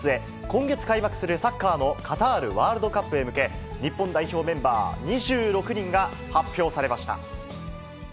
今月開幕するサッカーのカタールワールドカップへ向け、日本代表メンバー、２６人が発表されました。